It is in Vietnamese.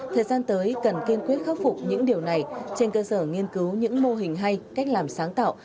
thời gian tới cần kiên quyết khắc phục những điều này trên cơ sở nghiên cứu những mô hình hay cách làm sáng tạo